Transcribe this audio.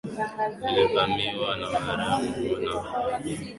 lilivamiwa na Wareno na kuingizwa katika koloni lao la Angola